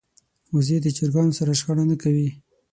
وزې د چرګانو سره شخړه نه کوي